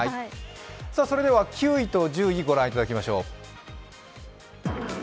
それでは９位と１０位、ご覧いただきましょう。